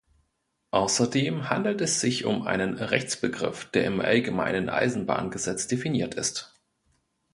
Außerdem handelt es sich um einen Rechtsbegriff, der im Allgemeinen Eisenbahngesetz definiert ist.